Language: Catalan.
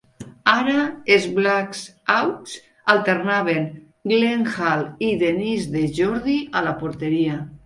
Ara els Black Hawks alternaven Glenn Hall i Denis DeJordy a la porteria.